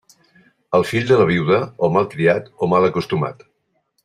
El fill de viuda, o mal criat o mal acostumat.